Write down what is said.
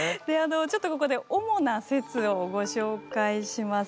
ちょっとここで主な説をご紹介します。